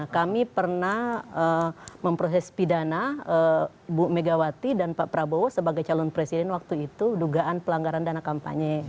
kami pernah memproses pidana bu megawati dan pak prabowo sebagai calon presiden waktu itu dugaan pelanggaran dana kampanye